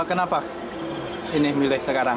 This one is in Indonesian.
hmm kenapa ini milih sekarang